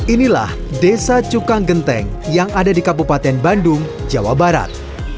inilah desa cukang genteng yang ada di kabupaten bandung jawa barat